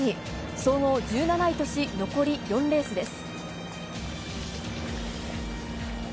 総合１７位とし、残り４レースです。